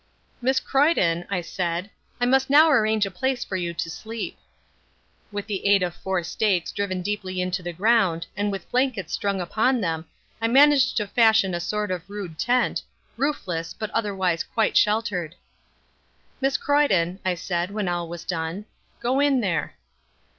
"Miss Croyden," I said, "I must now arrange a place for you to sleep." With the aid of four stakes driven deeply into the ground and with blankets strung upon them, I managed to fashion a sort of rude tent, roofless, but otherwise quite sheltered. "Miss Croyden," I said when all was done, "go in there."